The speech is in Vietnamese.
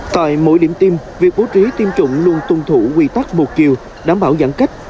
tại mỗi điểm tiêm việc bố trí tiêm chủng luôn tuân thủ quy tắc một chiều đảm bảo giãn cách